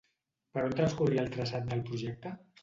Per on transcorria el traçat del projecte?